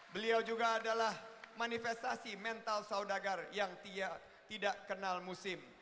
beliau juga adalah manifestasi mental saudagar yang tidak kenal musim